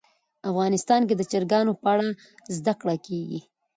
افغانستان کې د چرګانو په اړه زده کړه کېږي.